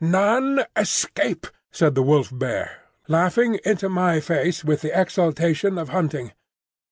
"None escape," said the Wolf bear, laughing into my face with the exultation of hunting.